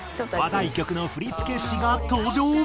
話題曲の振付師が登場！